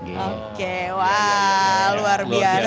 oke wah luar biasa